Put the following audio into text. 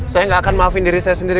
saya nggak akan maafin diri saya sendiri